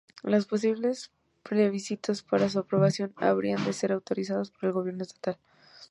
Los posibles plebiscitos para su aprobación habrán de ser autorizados por el Gobierno Estatal.